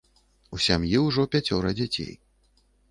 У сям'і ўжо пяцёра дзяцей.